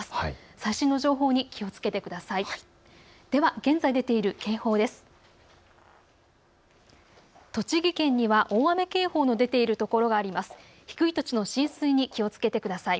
最新の情報に気をつけてください。